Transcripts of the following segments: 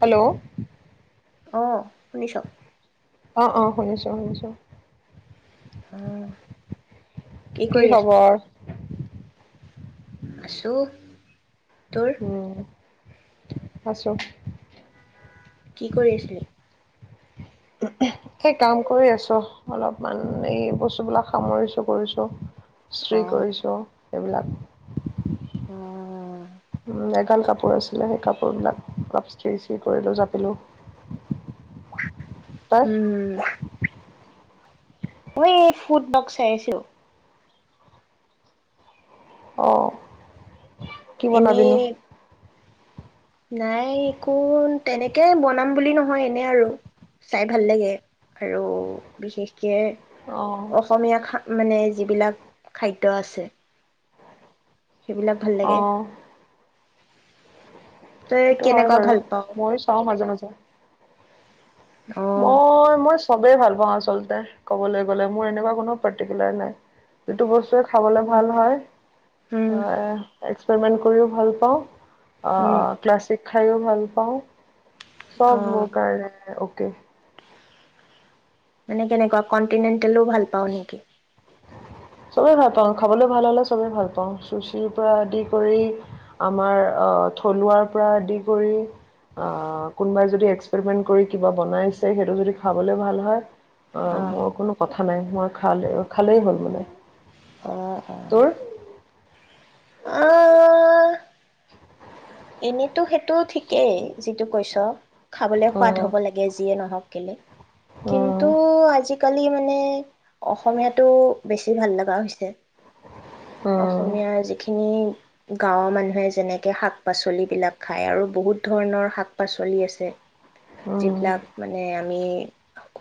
Hello আহ শুনিছ' অ' অ' শুনিছো শুনিছো আহ কি খবৰ? আছো তোৰ? উম আছো। কি কৰি আছিলি? উই কাম কৰি আছো, অলপমান এই বস্তুবিলাক সামৰিছোঁ কৰিছোঁ অ ছুই কৰিছো এইবিলাক উম উম এগাল কাপোৰ আছিলে সেই কাপোৰ বিলাক অলপ ইষ্ট্ৰি ষ্ট্ৰি কৰিলো জাপিলো তই উম মই এই ফুড ব্লগ চাই আছো অ'। কি এনেই বনাবিনো নাই একো তেনেকে বনাম বুলি নহয় এনে আৰু চাই ভাল লাগে আৰু বিশেষকে অ অসমীয়া খা মানে যিবিলাক খাদ্য আছে সেইবিলাক ভাল অ লাগে। তই সেইটো হয় কেনেকুৱা বাৰু ভাল পাও ময়ো চাওঁ মাজে মাজে অ উম মই মই সবেই ভাল পাওঁ আচলতে কবলৈ গ'লে মোৰ এনেকুৱা কোনো পাৰ্টিকুলাৰ নাই যিটো বস্তুৱে খাবলৈ উম ভাল হয় উম অ'। [unintelligible] কৰিও ভাল পাওঁ। উম অ' ক্লাছ খাইও ভাল পাওঁ। অ চব মোৰ কাৰণে। [inaudible] মানে কেনেকুৱা কণ্টিনেণ্টেলো ভাল পাওঁ নেকি? চবে ভাল পাওঁ খাবলৈ ভাল হলে চবে ভাল পাওঁ চুজিৰ পৰা আদি কৰি আমাৰ আহ থলুৱাৰ পৰা আদি কৰি আহ কোনোবাই যদি এক্সপেৰিমেন্ট কৰি কিবা বনাইছে সেইটো যদি খাবলৈ ভাল হয় অ মোৰ কোনো কথা কথা নাই মই খালে খালেই হ'ল মানে। অ অ তোৰ? আহ এনেতো সেইটো ঠিকেই যিটো কৈছো। খাবলৈ সোৱাদ উম, হ'ব লাগে যিয়ে নহওক। কেলে? উম, কিন্তু আজি আজিকালি মানে অসমীয়াটো বেছি ভাল লগা হৈছে। উম, অসমীয়াৰ যিখিনি গাঁৱৰ মানুহে যেনেকে শাক পাচলিবিলাক খাই আৰু, বহুত ধৰণৰ শাক পাচলি আছে। উম, যিবিলাক মানে আমি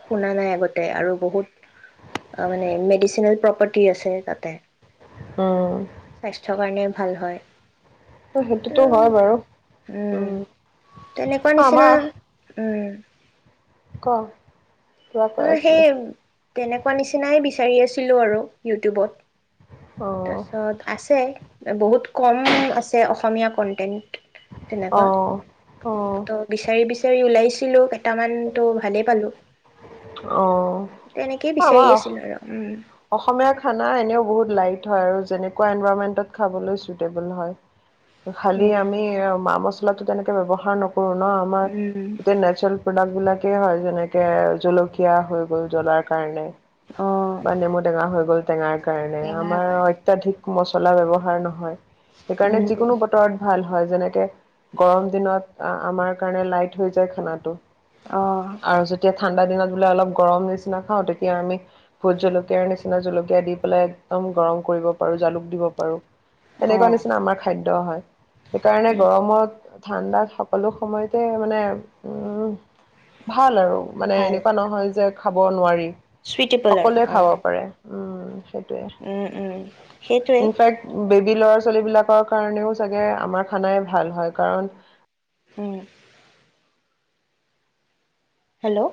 শুনা নাই আগতে আৰু বহুত মানে মেডিচিনেল প্ৰপাৰ্টি আছে তাতে। উম। স্বাস্থ্যৰ কাৰণে ভাল হয়। সেইটোতো হয় বাৰু উম। তেনেকুৱা উম। নিচিনা আমাৰ উম, ক' কিবা কৈ অ আছিলে সেই, তেনেকুৱা নিচিনাই বিছা বিচাৰি আছিলো আৰু, অ ইউটিউবত। তাৰপাছত আছে বহুত কম আছে অসমীয়া কন্টেন্ট। অ তেনেকুৱা অ ত' বিচাৰি বিচ ওলাইছিলো কেইটামানতো ভালেই পালো। অ তেনেকেই বিচাৰি আমাৰ আছিলো আৰু উম। অসমীয়া খানা এনেও বহুত লাইট হয় আৰু যেনেকুৱা এনভাইৰমেন্টত খাবলৈ চুইটেবল হয়। খালি আমি উম। মা মছ তেনেক ব্যৱহাৰ নক আমাৰ উম, [unintelligible] প্ৰডাক্ বিলাক সেই হয় যেনেকে জলকীয়া হৈ গ'ল জ্বলাৰ কাৰণে। অ', বা নেমু টেঙা হৈ গ'ল, টেঙাত। কাৰণে টেঙাৰ আমাৰ কাৰণে অত্যাধিক মচলা ব্যৱহাৰ নহয়। সেইকাৰণে উম, যিকোনো বতৰত ভাল। হয় যেনেকে গৰম দিনত আমাৰ কাৰণে লাইট হৈ যায় খানাতো। অ', আৰু যেতিয়া ঠাণ্ডা দিনত বলে অলপ গৰম নিচিনা খাওঁ তেতিয়া আমি ভোট জলকীয়াৰ নিচিনা জলকীয়া দি পেলাই একদম গৰম কৰিব পাৰোঁ জালুক দিব পাৰোঁ। তেনেকুৱা অ'। নিচিনা আমাৰ খাদ্য হয় সেইকাৰণে উম, গৰমত ঠাণ্ডাত সকলো সময়তে মানে উম। ভাল আৰু মানে ভাল এনেকুৱা নহয় যে খাব নোৱাৰি। চুইটেবল আৰু সকলোৱে খাব অ', পাৰে। অ'। সেইটোৱে উম, উম, সেইটোৱে ইনফেক্ট বে ল'ৰা ছোৱালীবিলাকৰ কাৰণেও চাগে আমাৰ খানাই ভাল হয় কাৰণ উম। হেল্ল'!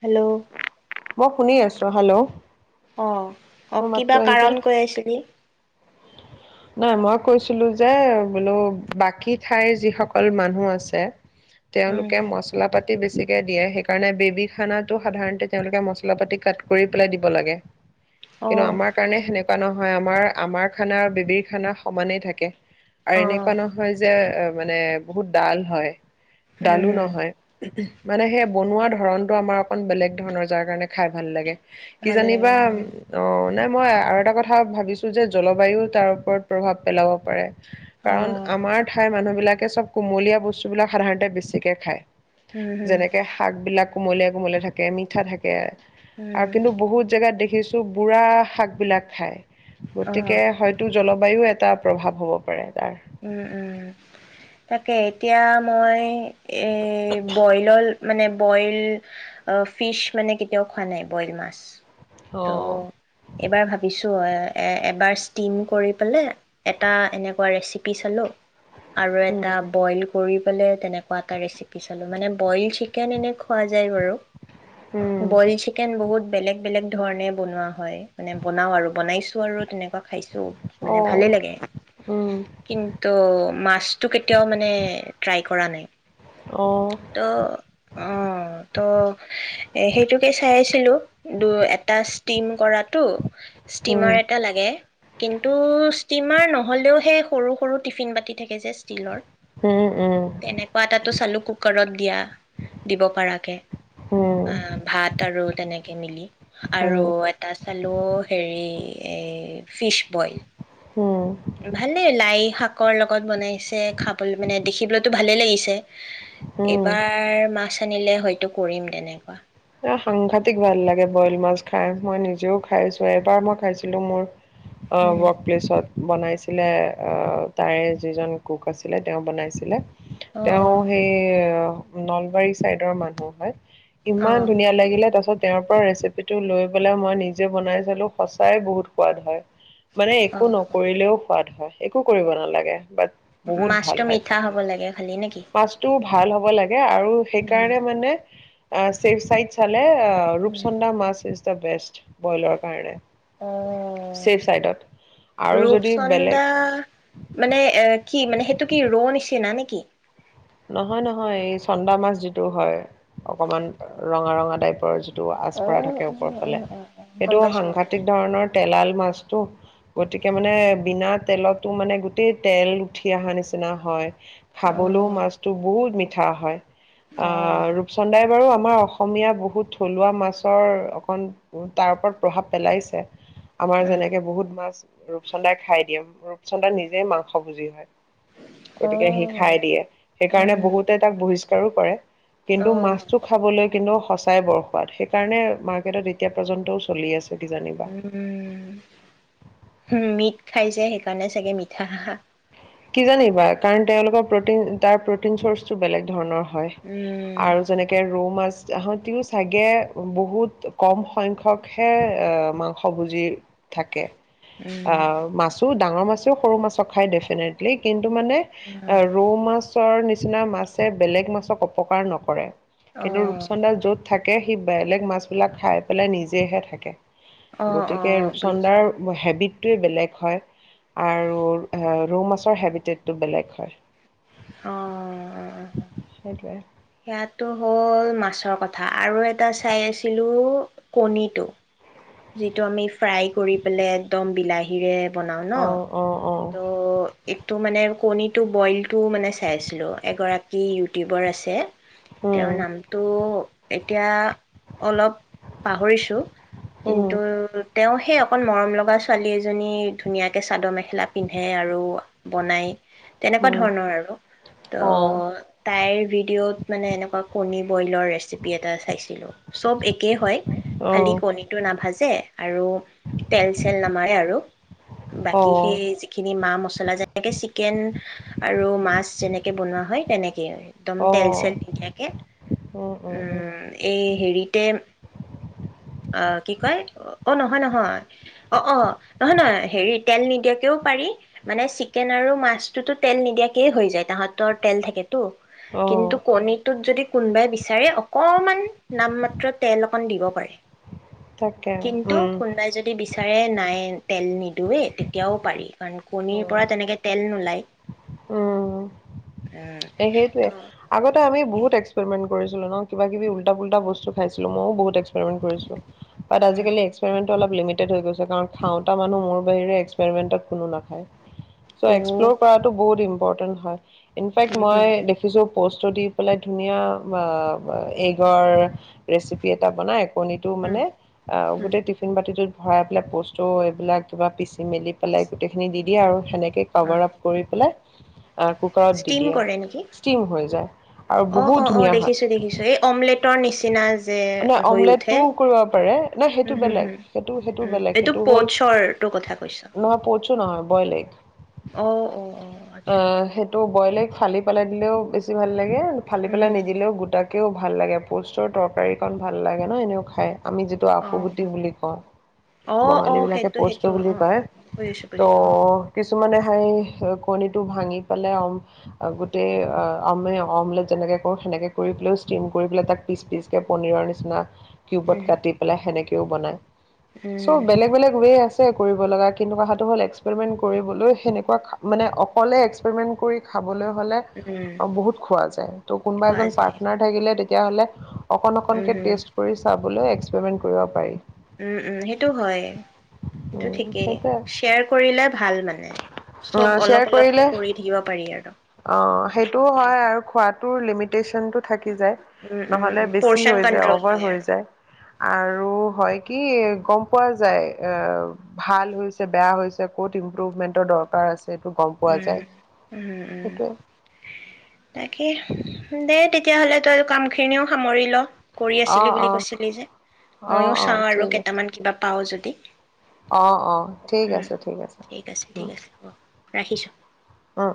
হ্যালো মই শুনি আছো, হেল্ল? অ', অ', মোৰ মাতটো কিবা কাৰণ আহিছে কৈ আছিলি। নাই মই কৈছিলো যে, বোলো বাকী ঠাইৰ যিসকল মানুহ আছে উম, তেওঁলোকে মচলা পাতি বেছিকে দিয়ে সেইকাৰণে বেবী খানাটো সাধাৰণতে তেওঁলোকে মছলা পাতি কাট কৰি পেলাই দিব লাগে। কিন্তু অ', আমাৰ কাৰণে সেনে নহয় আমাৰ, আমাৰ খানা আৰু বেবীৰ খানা সমানেই থাকে। আৰু এনেকুৱা অ', নহয় যে মানে বহুত ডল হয়। উম, ডালো হম, নহয়। মানে সেই বনোৱা ধৰণটো আমাৰ অকণ বেলেগ ধৰণৰ যাৰ কাৰণে খাই ভাল লাগে। ভাল লাগে কিজানিবা উম, অ, নে মই আৰু এটা কথা ভাবিছোঁ যে জলবায়ুও তাৰ ওপৰত প্ৰভাৱ পেলাব পাৰে। কাৰণ অ', আমাৰ ঠাই মানুহ বিলাকে চব কুমলীয়া বস্তুবিলাক সাধাৰণতে বেছিকে খায়। উম, হম, যেনেকে শাক বিলাক। কুমলীয়া কুমলীয়া থাকে, মিঠা থাকে। উম, আৰু কিন্তু বহুত জেগাত দেখি দেখিছো বুঢ়া শাক বিলাক খাই। গতিকে অ', হয়তো জলবায়ু, এটা প্ৰভাৱ হ'ব পাৰে। তাৰ। উম, উম। তাকে এতিয়া মই এই বইলৰ মানে বইল অ', ফিচ মানে কেতিয়াও খোৱা নাই বইল মাছ। অ ত' এইবাৰ ভাবিছো এবাৰ ষ্টিম কৰি পেলাই এটা এনেকোৱা ৰেচি [unintelligible] আৰু উম এটা বইল কৰি [unintelligible] তেনেকুৱা এটা ৰেচিপি চালো, মানে বইল চিকেন এনে খোৱা যায় বাৰু। উম বইল চিকেন বহুত বেলেগ বেলেগ ধৰণে বনোৱা হয়, মানে বনাওঁ আৰু বনাইছোঁ আৰু তেনেকুৱা খাইছোঁ অ মানে ভালেই লাগে। উম অ, মাছটো কেতিয়াও মানে ট্ৰাই কৰা নাই। অ ত, অ' ত। এ সেইটোকে চাইছিলো দু এটা ষ্টিম কৰাত। টো উম ষ্টিমাৰ এটা লাগে। কিন্তু ষ্টিম তোমাৰ নহ'লেও সেই সৰু সৰু টিফিন বাতি থাকে যে ষ্টীলৰ। উম, উম, তেনেকুৱা এটাতো চালো কু কুকাৰত দিয়া। দিব পৰাকে। উম, আ ভাত আৰু তেনেকে কে মিলি আৰু উম, এটা চালো হেৰি। এই ফিছ বইল। উম, ভালে লাই শাক। ক লগত বনাইছে। খাব মানে দেখিবলৈতো ভালেই লাগিছে। উম। এইবাৰ মাছ। আনিলে হয়তো কৰিম তেনেকুৱা। এ সাংঘাতিক ভাল লাগে বইল মাছ খাই। মই নিজেও খাইছো এবাৰ মই খাইছিলো মোৰ অঁ উম ৱৰ্ক প্লেছত। বনাইছিলে তাৰে যিজন কুক আছিলে তেওঁ বনাইছিলে। অ তেওঁ অ সেই, নলবাৰী চাইদৰ মানুহ হয়। ইমান অঁ। ধুনীয়া লাগিলে, তাৰ পাছত তেওঁৰ পৰা ৰেচিপিটো লৈ পেলাই মই নিজে বনাই চালোঁ সঁচাই বহুত সোৱাদ হয়। মানে অ একো নকৰিলেও সোৱাদ হয়। একো কৰিব নালাগে। বাট বহুত মাছটো ভাল হয় মিঠা হ'ব খাবলৈ। লাগে খালি নেকি মাছটোও ভাল হ'ব লাগে আৰু উম সেইকাৰণে মানে অ ৱেবচাইড চালে উম ৰূপচন্দা মাছ দ্যা বেষ্ট। বইলৰ কাৰণে অ চেফ চাইডত আৰু যদি ৰূপচন্দা বেলেগ মানে এ কি মানে সেইটো কি ৰৌ নিচিনা নেকি? নহয় নহয়। এই চন্দা মাছ যিটো হয় অকমান ৰঙা ৰঙা টাইপৰ যি আচ অ পৰা থাকে অ ওপৰ অ ফালে। অ অ গম সেইটো পাইছো গম পাইছো সাংঘাতিক ধৰণৰ তেলাল মাছটো গতিকে মানে বিনা তেলতো মানে গোটেই তেল উঠি অহা নিচিনা হয়। খাবলৈও অ মাছ বহুত মিঠা হয়। অ' ৰূপচন্দ্ৰই বাৰু আমাৰ অসমীয়া বহুত থলুৱা মাছৰ অকণ তাৰ ওপৰত প্ৰভাৱ পেলাইছে আমাৰ যেনেকে বহুত মাছ ৰূপচন্দাই খাই দিম ৰূপচন্দ্ৰা নিজেই মাংস বুজি হয় গতিকে সি খাই দিয়ে সেইকাৰণে বহুতে তাক পৰিষ্কাৰো কৰে কিন্তু মাছটো খাবলৈ কিন্তু সঁচাই বৰসোৱাত সেইকাৰণে মাৰ্কেটত এতিয়া পৰ্যন্তও চলি আছে কিজানিবা উম মিক খাইছে সেইকাৰণে চাগে মিঠা হাঃ কি জানিবা কাৰণ তেওঁলোকৰ প্ৰটিন তাৰ প্ৰটিন চ'ৰ্চটো বেলেগ ধৰণৰ হয় আৰু যেনেকে ৰৌ মাছ তাহাঁতিও চাগে বহুত কম সংখ্যকহে মাংস ভুজি থাকে অ মাছো ডাঙৰ মাছেও সৰু মাছক খাই দিয়ে তেনে ঠিক কিন্ত মানে ৰৌ মাছৰ নিচিনা নিচিনা মাছে বেলেগ মাছক অপকাৰ নকৰে কিন্তু ৰূপচন্দা য'ত থাকে তাকে সেই বেলেগ মাছবিলাক খাই পেলাই নিজেহে থাকে গতিকে বুজিছো। ৰূপচন্দাৰ হেবিট সেইটোয়ে বেলেগ হয় আৰু ৰৌ মাছৰ হেবিটেটটো বেলেগ হয় অ, সেইটোৱে সেয়াটো হ'ল মাছৰ কথা আৰু এটা চাই আছিলোঁ কণীটো যিটো আমি ফ্ৰাই কৰি পেলে একদম বিলাহীৰে বনাওঁ ন অ', অ', অ', তো তো মানে কণীটো বইলটো মানে চাইছিলোঁ এগৰাকী ইউটিউবাৰ আছে তেওঁৰ উম, নামটো এতিয়া অলপ পাহৰিছোঁ উম, কিন্তু তেওঁ সেই অকন মৰম লগা ছোৱালী এজনী মানুজনী ধুনীয়াকে চাদৰ মেখেলা পিন্ধে আৰু বনাই তেনেকুৱা উম, ধৰণৰ আৰু ত অ', তাইৰ ভিডিঅ'ত মানে এনেকুৱা কণী বইলৰ ৰেচিপি এটা চাইছিলোঁ চব একেই হয়। খালি অ', কণী টো নাভাজে আৰু তেল চেল নামাৰে আৰু বাকী অ', সেই যিখিনি মাহ মচলা যেনেকে চিকেন আৰু মাছ যেনেকে বনোৱা হয় তেনেকে দিয়ে একদম তেল অ', চেল নিদিয়াকে, উম, এই হেৰিতে অ' কি কয় অ নহয় নহয় অ'অ' নহয় -নহয় হেৰি তেল নিদিয়াকেও পাৰি মানে চিকেন আৰু মাছটোতো তেল নিদিয়াকেই হৈ যায় তাহতৰ তেল থাকে তো অ', কিন্তু কণীটোত যদি কোনবাই বিচাৰে অকমান নাম মাত্ৰ তেল অকণ দিব পাৰে। তাকে কিন্তু উম, কোনোবাই যদি বিচাৰে নাই তেল নিদিওৱেই তেতিয়াও পাৰি কাৰণ কণীৰ অ'। পৰা তেনেকে তেল নোলায়। [unintelligible] উম। উম, এ সেইটোয়ে ত' আগতে আমি সেই বহুত এক্সপেৰিমেণ্ট কৰিছিলো ন কিবা কিবি উল্টা পুল্টা বস্তু খাইছিলো মইও বহুত এক্সপেৰিমেণ্ট কৰিছিলো বাত উম, আজিকালি এক্সপেৰিমেণ্ট অলপ লিমিটেড হৈ গৈছে কাৰণ খাওঁতা মানুহ মোৰ বাহিৰে এক্সপেৰিমেণ্টত কোনো নাখায়। অ' চ' এক্সপ্ল'ৰ উম, কৰাটো বহুত ইম ইম্পৰটেন্ট হয়। ইনফেক্ট হুম, মই দেখিছো প'ষ্টটো দি পেলাই ধুনীয়া এইগৰ ৰেচিপি এটা বনায় কণীটো উম, মানে অ' উম, গোটেই টিফিন বাতিটোত ভৰাই পেলাই বস্তু এইবিলাক কিবা পিচি মেলি পেলাই গোটেইখিনি দি দিয়ে আৰু সেনেকে ক'ভাৰ আপ কৰি পেলাই। আ কুকাৰ। স্তিম কৰে নিকি আৰু অ' বহুত -অ' -অ ধুনীয়া হয় 'দেখিছো দেখিছো এই অমলেট। টৰ নিচিনা যে নাই হৈ উঠে। অমলেটটোও কৰিব পাৰে নাই সেইটো উম, হুম, বেলেগ হুম, সেইটো সেইটো উম, বেলেগ। এইটো সেইটো হ'ল প'চৰটোৰ কথা কৈছ। নহয় পছো নহয় বইলএগ অ', অ', অ', আচ্ছা অ' আচ্ছা। সেইটো বইলএগ। ফালি পেলাই দিলেও বেছি ভাল লাগে। ফালি উম, পেলাই হুম, নিদিলেও গোটাক কেও ভাল লাগে পোষ্টৰ তৰকাৰীকণ ভাল লাগে ন এনেও খায় আমি যিটো আফুগুটি অ', বুলি কওঁ অ', বঙালী অ', বিলাকে সেইটো পষ্ট্ত সেইটো বুলি অ'। কয় বুজিছো ত' বুজিছো অ', কিছুমানে ঠাই কণীটো ভাঙি পেলাইম গোটেই আমে অমলেট যেনেকে কৰো সেনেকে কৰি পেলাইও ষ্টিম কৰি পেলাই তাক পিচ পিচকৈ পনীৰৰ নিচিনা কিউবত উম, কাটি পেলাই সেনেকে। তেওঁ বনায়। চব উম, বেলেগ বেলেগ হৈয়েই আছে আছে কৰিব লগা কিন্তু কথাটো হ'ল এক্সেেমেন কৰিবলৈ সেনেকোৱা মানে অকল এক্সেমেন কৰি খাব খাবলৈ হ'লে উম, বহুত খোৱা যায় কোনোবা খোৱা এজন যায়। পাটনাৰ থাকিলে তেতিয়াহ'লে অকন উম, অকণকে হুম, টেষ্ট কৰি চাব বোলে এক্সেৰিমেণ্ট কৰিব পাৰি উম উম সেইটো হয় সেইটো ঠিকেই সেইটোৱে শ্বেয়াৰ কৰিলে ভাল মানে চব শ্বেয়াৰ অলপ অলপকে কৰিলে কৰি থাকিব পাৰি আৰু উ উ। [unintelligible] যোন টো থাকি যায় নহ'লে বেছি পৰ্চন হৈ যায়, কন্ট্ৰল অভাৰ হয় হৈ আৰু। যায়। আৰু হয় কি গম পোৱা যায় ভাল হৈছে বেয়া হৈছে ক'ত ইম্প্ৰুভমেণ্টৰ দৰকাৰ আছে টো গম পোৱা উম, যায় উম, উম। সেইটোৱে তাকে দে তেতিয়াহলে তই কাম খিনিও সামৰি ল কৰি আছিলি অ' বুলি অ' কৈছিলি যে অ' ময়ও অ' চাওঁ আৰু ঠিক আছে কেইটামান কিবা পাও যদি [unintelligible] অ' অ' ঠিক উম, আছে, ঠিক আছে ঠিক আছে হ'ব ৰাখিছোঁ উম।